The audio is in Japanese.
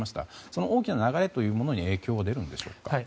その大きな流れに影響は出るんでしょうか。